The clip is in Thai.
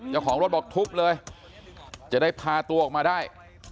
เจ้าของรถบอกทุบเลยจะได้พาตัวออกมาได้